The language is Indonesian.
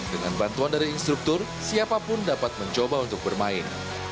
dengan bantuan dari instruktur siapapun dapat mencoba untuk bermain